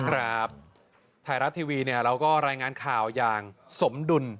ครับไทยรัฐทีวีเนี่ยเราก็รายงานข่าวอย่างสมดุล